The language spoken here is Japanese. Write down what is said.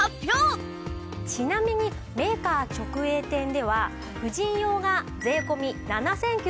ちなみにメーカー直営店では婦人用が税込７９８０円。